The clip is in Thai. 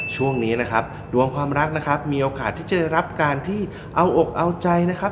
ช่วงนี้นะครับดวงความรักนะครับมีโอกาสที่จะได้รับการที่เอาอกเอาใจนะครับ